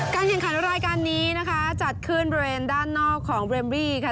แข่งขันรายการนี้นะคะจัดขึ้นบริเวณด้านนอกของเรมวี่ค่ะ